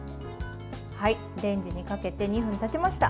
レンジにかけて２分たちました。